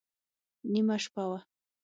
نیمه شپه وه.